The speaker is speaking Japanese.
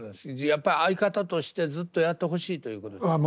やっぱ相方としてずっとやってほしいということですか？